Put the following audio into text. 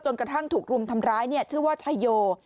กระทั่งถูกรุมทำร้ายชื่อว่าชายโย